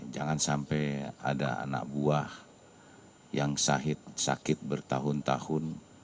jangan sampai ada anak buah yang sakit bertahun tahun